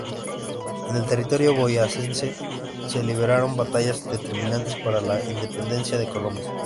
En el territorio boyacense se libraron batallas determinantes para la independencia de Colombia.